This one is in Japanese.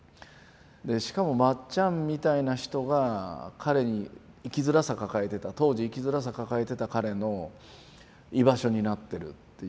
しかもまっちゃんみたいな人が彼に生きづらさ抱えてた当時生きづらさ抱えてた彼の居場所になってるっていうのをね